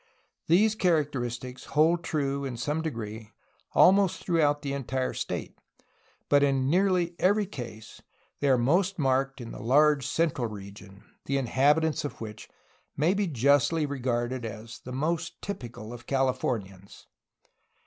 These characteristics hold true in some degree almost throughout the entire state, but in nearly every case they are most marked in the large central region, the inhabitants of which may be justly regarded as the most typical of Californians.